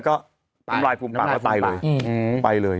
แล้วก็น้ำลายฟูมปากแล้วตายเลยอือไปเลย